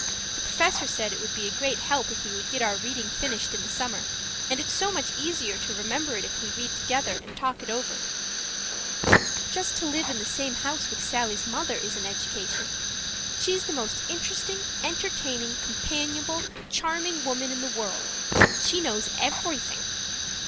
The Professor said it would be a great help if we would get our reading finished in the summer; and it's so much easier to remember it if we read together and talk it over. Just to live in the same house with Sallie's mother is an education. She's the most interesting, entertaining, companionable, charming woman in the world; she knows everything.